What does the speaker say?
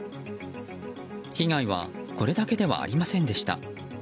被害はこれだけではありませんでした。